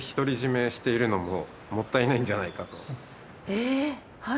えっはい。